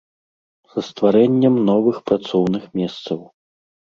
Са стварэннем новых працоўных месцаў.